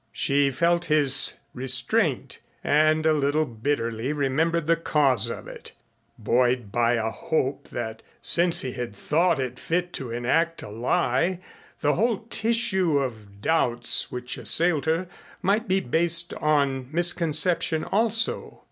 She felt his restraint and a little bitterly remembered the cause of it, buoyed by a hope that since he had thought it fit to enact a lie, the whole tissue of doubts which assailed her might be based on misconception also.